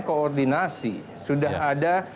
koordinasi sudah ada